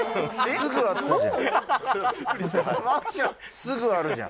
すぐあるじゃん。